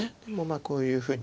こういうふうに。